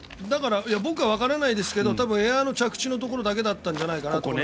だから僕はわからないけどエアの着地のところだけだったんじゃないかと。